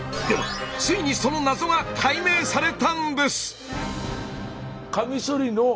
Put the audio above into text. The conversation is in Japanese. でもついにその謎が解明されたんです！